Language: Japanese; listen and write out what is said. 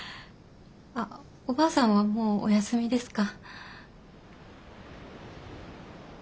あっおばあさんはもうお休みですか？